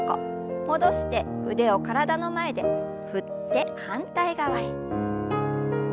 戻して腕を体の前で振って反対側へ。